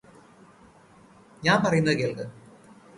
ഞാന് പറയുന്നത് കേൾക്ക്